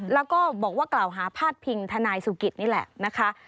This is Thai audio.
แล้วก็บอกว่ากล่าวหาพาดพิงทนายสุกิตนี่แหละนะคะ